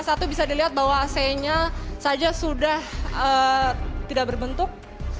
di ruang yang ke satu bisa dilihat bahwa ac nya saja sudah tidak berbentuk